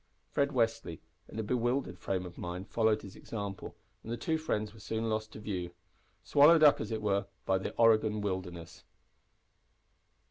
Fred Westly, in a bewildered frame of mind, followed his example, and the two friends were soon lost to view swallowed up, as it were, by the Oregon wilderness.